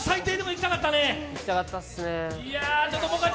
いきたかったっすね。